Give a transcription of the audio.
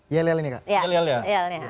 yal yal ini kan